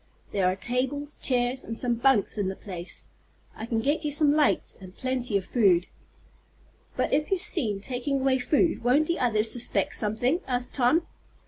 There are tables, chairs, and some bunks in the place. I can get you some lights, and plenty of food." "But, if you are seen taking away food, won't the others suspect something?" asked Tom.